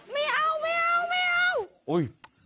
ไม่เอาไม่เอา